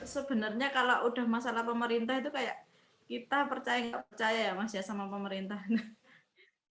sebenarnya kalau udah masalah pemerintah itu kayak kita percaya nggak percaya ya mas ya sama pemerintah